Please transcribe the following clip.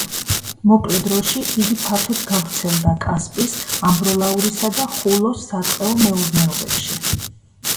მოკლე დროში იგი ფართოდ გავრცელდა კასპის, ამბროლაურისა და ხულოს სატყეო მეურნეობებში.